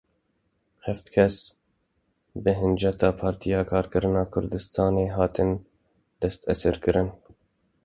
Heft kes bi hinceta Partiya Karkerên Kurdistanê hatin desteserkirin.